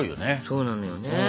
そうなのよね。